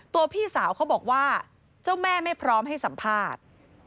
พี่สาวเขาบอกว่าเจ้าแม่ไม่พร้อมให้สัมภาษณ์